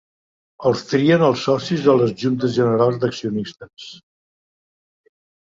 Els trien els socis a les juntes generals d'accionistes.